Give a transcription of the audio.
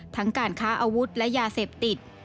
ทั้งการค้าอาวุธและยาเสพติด